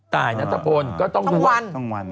ตายนัตรปนิ์ต้องวัน